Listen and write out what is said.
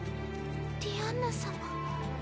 ディアンヌ様。